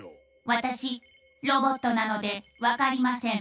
私ロボットなので分かりません。